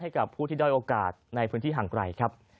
ให้กับผู้ที่ด้อยโอกาสในพื้นที่ห่างไกลครับ